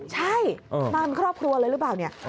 ใช่มาเป็นครอบครัวเลยหรือเปล่าเนี่ย